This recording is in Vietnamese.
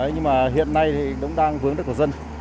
nhưng mà hiện nay thì cũng đang vướng được của dân